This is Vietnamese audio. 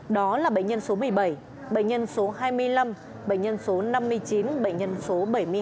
đó là bệnh nhân số một mươi bảy bệnh nhân số hai mươi năm bệnh nhân số năm mươi chín bệnh nhân số bảy mươi hai